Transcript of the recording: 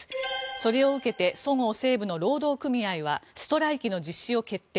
それを受けてそごう・西武の労働組合はストライキの実施を決定。